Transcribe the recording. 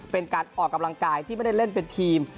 เป็นการออกกำลังกายที่ไม่ได้เล่นเป็นทีม